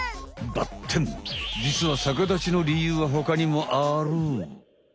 ばってんじつは逆立ちの理由は他にもある！